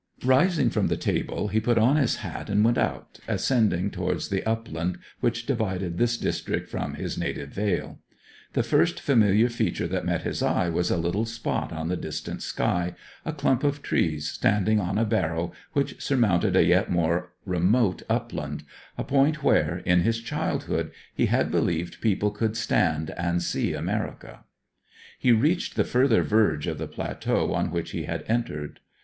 Rising from the table he put on his hat and went out, ascending towards the upland which divided this district from his native vale. The first familiar feature that met his eye was a little spot on the distant sky a clump of trees standing on a barrow which surmounted a yet more remote upland a point where, in his childhood, he had believed people could stand and see America. He reached the further verge of the plateau on which he had entered.